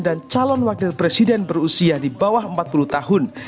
dan calon wakil presiden berusia di bawah empat puluh tahun